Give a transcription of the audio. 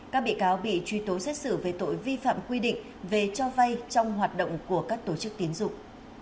các bị cáo bị truy tố xét xử về tội vi phạm quy định về cho vay trong hoạt động của các tổ chức tiến dụng